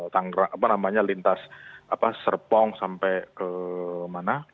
tangerang apa namanya lintas serpong sampai ke mana